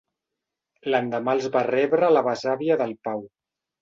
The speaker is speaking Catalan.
L'endemà els va rebre la besàvia del Pau.